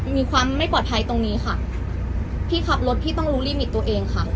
มีความไม่ปลอดภัยตรงนี้ค่ะพี่ขับรถพี่ต้องรู้ลิมิตตัวเองค่ะ